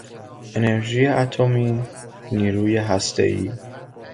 انرژی اتمی، نیروی هستهای